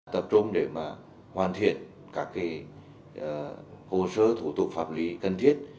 tập trung để mà hoàn thiện các cái hồ sơ thủ tục pháp lý cần thiết